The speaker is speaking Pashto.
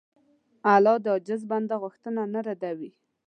الله د عاجز بنده غوښتنه نه ردوي.